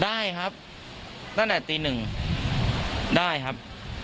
ได้ครับตั้งแต่ตีหนึ่งได้ครับ